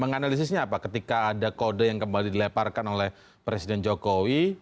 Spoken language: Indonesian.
menganalisisnya apa ketika ada kode yang kembali dileparkan oleh presiden jokowi